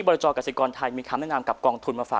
รจสิกรไทยมีคำแนะนำกับกองทุนมาฝาก